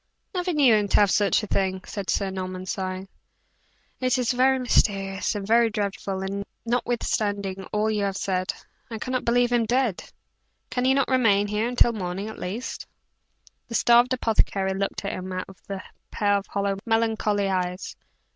"Never knew him to have such a thing," said Sir Norman, sighing. "It is very mysterious and very dreadful, and notwithstanding all you have said, I cannot believe him dead. Can he not remain here until morning, at least?" The starved apothecary looked at him out of a pair of hollow, melancholy eyes.